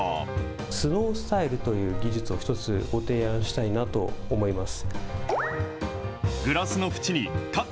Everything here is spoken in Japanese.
スノースタイルという技術を一つご提案したいなと思います。